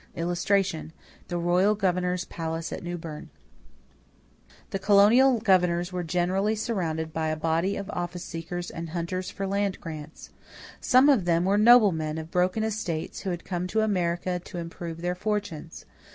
[Illustration: THE ROYAL GOVERNOR'S PALACE AT NEW BERNE] The colonial governors were generally surrounded by a body of office seekers and hunters for land grants. Some of them were noblemen of broken estates who had come to America to improve their fortunes.